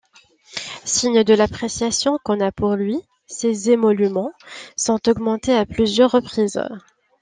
Signe de l'appréciation qu'on a pour lui, ses émoluments sont augmentés à plusieurs reprises.